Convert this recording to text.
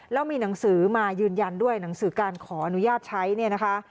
แล้วมีหนังสือมายืนยันด้วยหนังสือการขออนุญาตใช้เนี่ยนะคะ